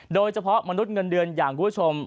โดยเฉพาะมนุษย์เงินเดือนอย่างคุณผู้ชม